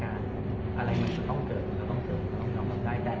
หรือเป็นอะไรที่คุณต้องการให้ดู